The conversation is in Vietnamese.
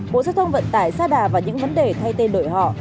bộ giao thông vận tải xa đà vào những vấn đề thay tên đổi họ